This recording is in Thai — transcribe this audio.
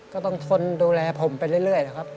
ก็ต้องทนดูแลผมไปเรื่อยนะครับ